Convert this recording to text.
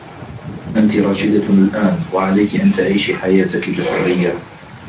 أنتِ راشدة الآن و عليكِ أن تعيشي حياتكِ بحرّيّة.